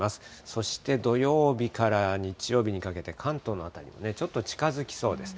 そして土曜日から日曜日にかけて、関東の辺りちょっと近づきそうです。